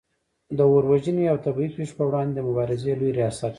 د اور وژنې او طبعې پیښو پر وړاندې د مبارزې لوي ریاست